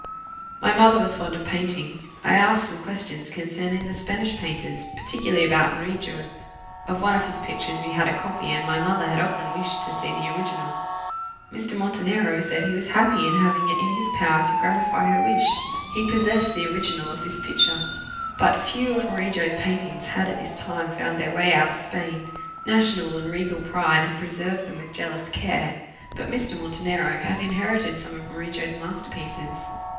My mother was fond of painting: I asked some questions concerning the Spanish painters, particularly about Murillo; of one of his pictures we had a copy, and my mother had often wished to see the original. Mr. Montenero said he was happy in having it in his power to gratify her wish; he possessed the original of this picture. But few of Murillo's paintings had at this time found their way out of Spain; national and regal pride had preserved them with jealous care; but Mr. Montenero had inherited some of Murillo's master pieces.